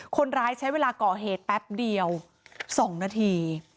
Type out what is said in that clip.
คนร้ายใช้เวลาก่อเหตุแป๊บเดียว๒นาที